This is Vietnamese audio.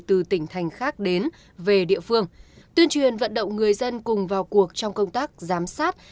từ tỉnh thành khác đến về địa phương tuyên truyền vận động người dân cùng vào cuộc trong công tác giám sát